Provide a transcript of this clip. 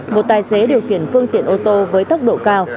một tài xế điều khiển phương tiện ô tô với tốc độ cao